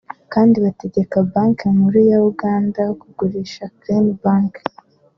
kandi banategeka Banki Nkuru ya Uganda ku gurisha Crane Bank